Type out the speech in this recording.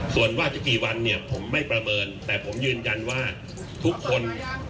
ส่วนว่าจะกี่วันเนี่ยผมไม่ประเมินแต่ผมยืนยันว่าทุกคน